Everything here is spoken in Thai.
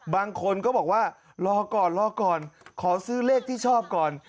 บางคนก็บอกว่ารอก่อนรอก่อนขอซื้อเลขที่ชอบก่อน